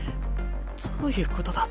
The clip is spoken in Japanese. どういうことだ。